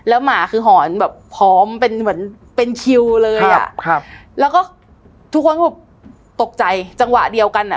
อืมคือหอนแบบพร้อมเป็นคิวเลยอะทุกคนตกใจจังหวะเดียวกันอะ